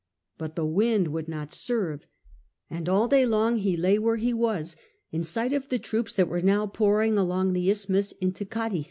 But the wind would not serve, and all day long he lay where he was, in sight of the troops that were now pouring along the isthmus into Cadiz.